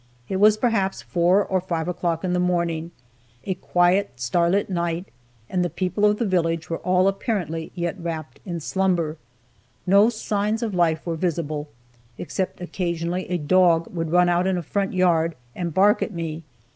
It was perhaps four or five o'clock in the morning, a quiet, starlight night, and the people of the village were all apparently yet wrapped in slumber. No signs of life were visible, except occasionally a dog would run out in a front yard and bark at me.